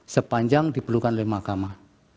sepanjang diperlukan oleh mahkamah